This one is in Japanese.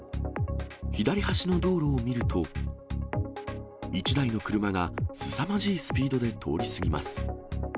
左端の道路を見ると、１台の車がすさまじいスピードで通り過ぎます。